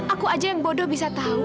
aku aja yang bodoh bisa tahu